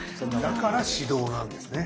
だから「始動」なんですね。